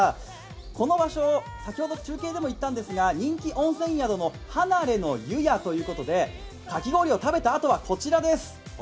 この場所、先ほど、中継でもお伝えしたんですが人気温泉宿の離れの湯屋ということでかき氷を食べたあとはこちらです。